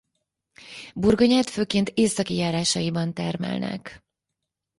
Burgonyát főként északi járásaiban termelnek.